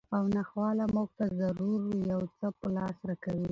او ناخواله مونږ ته ضرور یو څه په لاس راکوي